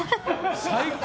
最高！